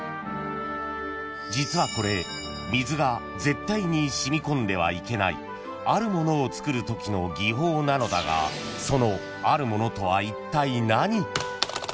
［実はこれ水が絶対に染み込んではいけないあるものをつくるときの技法なのだがそのあるものとはいったい何？］